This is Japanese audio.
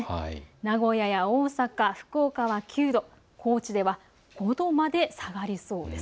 名古屋や大阪、福岡は９度、高知では５度まで下がりそうです。